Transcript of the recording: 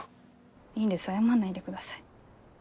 いいんです謝んないでください。